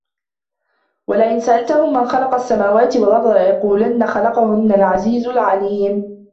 وَلَئِنْ سَأَلْتَهُمْ مَنْ خَلَقَ السَّمَاوَاتِ وَالْأَرْضَ لَيَقُولُنَّ خَلَقَهُنَّ الْعَزِيزُ الْعَلِيمُ